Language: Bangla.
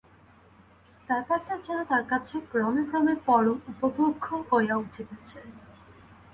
ব্যাপারটা যেন তার কাছে ক্রমে ক্রমে পরম উপভোগ্য হইয়া উঠিতেছে।